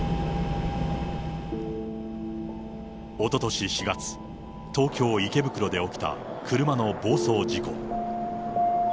おととし４月、東京・池袋で起きた車の暴走事故。